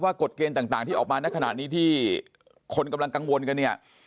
กฎเกณฑ์ต่างที่ออกมาในขณะนี้ที่คนกำลังกังวลกันเนี่ย